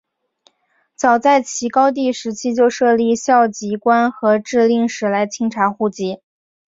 早在齐高帝时期就设立校籍官和置令史来清查户籍。